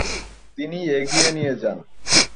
তিনি এগিয়ে নিয়ে যান।